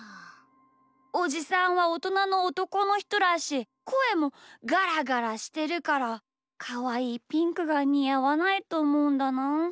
おじさんはおとなのおとこのひとだしこえもガラガラしてるからかわいいピンクがにあわないとおもうんだなあ。